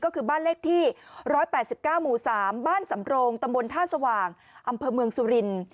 ก็คือบ้านเลขที่๑๘๙หมู่๓บ้านสำโรงตำบลท่าสว่างอำเภอเมืองสุรินทร์